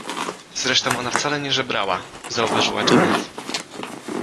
— Zresztą ona wcale nie żebrała — zauważyła Janet.